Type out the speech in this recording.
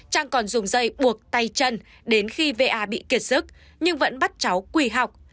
trang còn dùng dây buộc tay chân đến khi va bị kiệt sức nhưng vẫn bắt cháu quỳ học